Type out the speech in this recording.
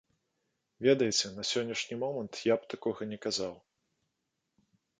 Ведаеце, на сённяшні момант я б такога не казаў.